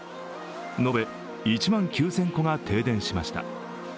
延べ１万９０００戸が停電しました。